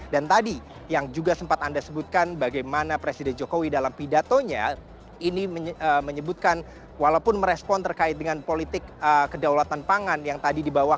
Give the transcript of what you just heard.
dan tadi yang juga sempat anda sebutkan bagaimana presiden jokowi dalam pidatonya ini menyebutkan walaupun merespon terkait dengan politik kedaulatan pangan yang tadi dibawakan